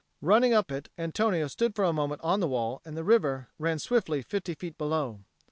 Running up it, Antonio stood for a moment on the wall; and the river ran fifty feet below.